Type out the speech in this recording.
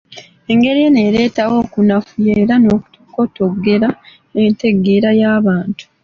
Engeri eno ereetawo okunafuya era n’okukotoggera entegeera y’abantu.